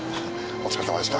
お疲れさまでした。